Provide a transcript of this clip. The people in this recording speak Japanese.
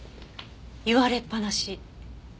言われっぱなし？